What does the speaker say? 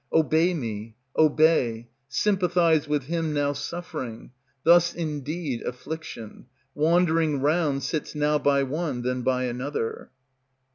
Obey me, obey, sympathize With him now suffering. Thus indeed affliction, Wandering round, sits now by one, then by another.